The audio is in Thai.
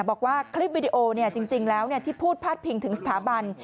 บอกว่าคลิปวิดีโอจริงแล้วที่พูดพาดพิงถึงสถาบัน